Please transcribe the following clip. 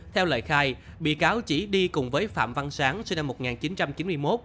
theo lời khai bị cáo chỉ đi cùng với phạm văn sáng sinh năm một nghìn chín trăm chín mươi một